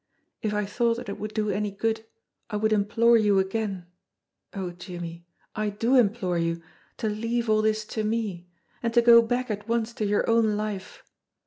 If I thought that it would do any good I would implore you again oh, Jimmie, I do implore you to leave all this to me, and to go back at once to your own life.